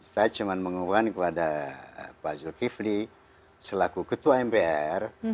saya cuma mengumpulkan kepada pak zulkifli selaku ketua mpr